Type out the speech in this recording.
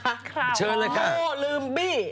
ข่าวเหรอเชิญละก่อนโมลืมบี้